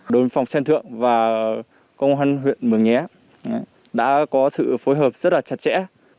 đối phòng xen thượng và công an huyện mường nhé đã có sự phối hợp rất là chặt chẽ